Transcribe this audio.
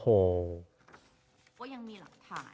โอ้โห